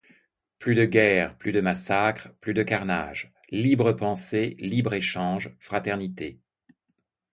Plus de guerres, plus de massacres, plus de carnages; libre pensée, libre échange; fraternité.